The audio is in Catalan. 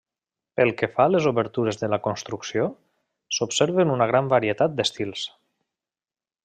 Pel que fa a les obertures de la construcció, s’observen una gran varietat d’estils.